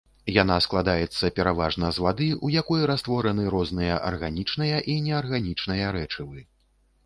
Яна складаецца пераважна з вады, у якой раствораны розныя арганічныя і неарганічныя рэчывы.